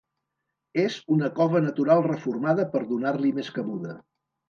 És una cova natural reformada per donar-li més cabuda.